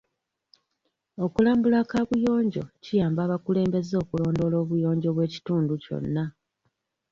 Okulambula kaabuyonjo kiyamba abakulembeze okulondoola obuyonjo bw'ekitundu kyonna.